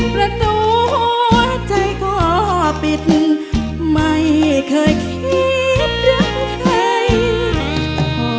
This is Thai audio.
ประตูใจก็ปิดไม่เคยคิดเรื่องใคร